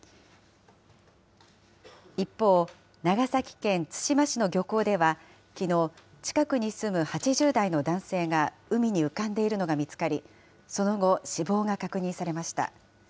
一方、長崎県対馬市の漁港では、きのう、近くに住む８０代の男性が海に浮かんでいるのが見つかり、その後、死亡が確認されました。